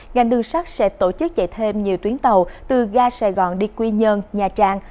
ngành đường sắt sẽ tổ chức chạy thêm nhiều tuyến tàu từ ga sài gòn đi quy nhơn nha trang